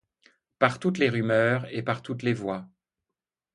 Par toutes les rumeurs et par toutes les voix